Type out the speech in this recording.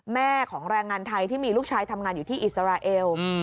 แม่ของแรงงานไทยที่มีลูกชายทำงานอยู่ที่อิสราเอล